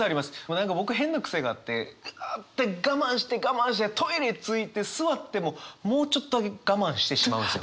何か僕変な癖があってああって我慢して我慢してトイレ着いて座ってももうちょっとだけ我慢してしまうんですよ。